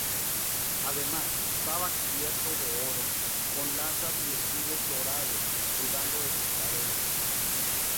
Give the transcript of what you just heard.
Además estaba cubierto de oro, con lanzas y escudos dorados colgando de sus paredes.